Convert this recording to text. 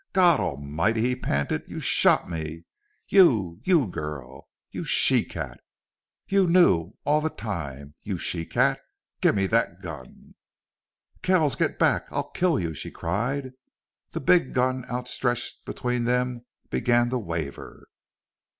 "God Almighty!" he panted. "You shot me!... You you girl!... You she cat... You knew all the time... You she cat!... Give me that gun!" "Kells, get back! I'll kill you!" she cried. The big gun, outstretched between them, began to waver.